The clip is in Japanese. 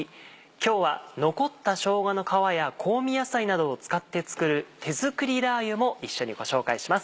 今日は残ったしょうがの皮や香味野菜などを使って作る「手作りラー油」も一緒にご紹介します。